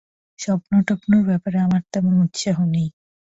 স্বপ্নটপ্নর ব্যাপারে আমার তেমন উৎসাহ নেই।